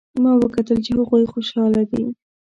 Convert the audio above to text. ما وکتل چې هغوی خوشحاله دي